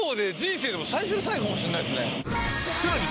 さらに